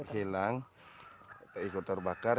hilang terikut terbakar